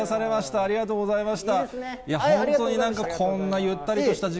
ありがとうございます。